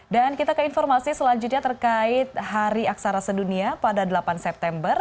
dan kita ke informasi selanjutnya terkait hari aksara sedunia pada delapan september